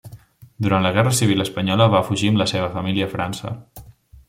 Durant la guerra civil espanyola va fugir amb la seva família a França.